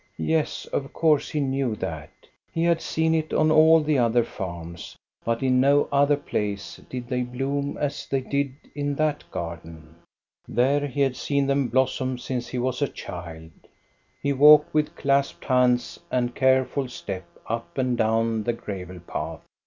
Yes, of course he knew that He seen it on all the other farms; but in no other 'lace did they bloom as they did in that garden, ■here he had seen them blossom since he was a He walked with clasped hands and careful step up and down the gravel path.